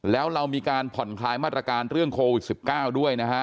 แล้วเรามีการผ่อนคลายมาตรการเรื่องโควิด๑๙ด้วยนะฮะ